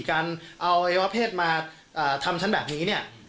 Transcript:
การอวัยวะเพศมาทำฉันแบบนี้เนี่ย